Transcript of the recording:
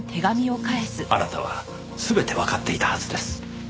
あなたは全てわかっていたはずです。